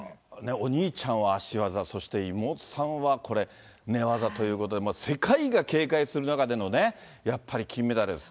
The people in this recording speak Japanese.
お兄ちゃんは足技、そして妹さんはこれ、寝技ということで、世界が警戒する中でのやっぱり金メダルです。